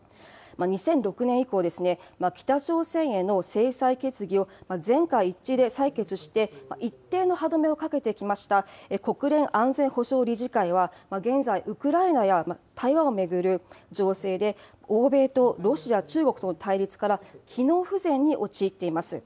２００６年以降、北朝鮮への制裁決議を全会一致で採決して、一定の歯止めはかけてきました国連安全保障理事会は、現在、ウクライナや台湾を巡る情勢で、欧米とロシア、中国との対立から機能不全に陥っています。